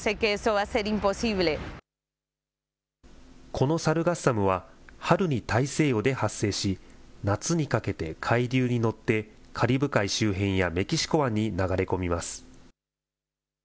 このサルガッサムは、春に大西洋で発生し、夏にかけて海流に乗って、カリブ海周辺やメキシコ湾に流れ込みます。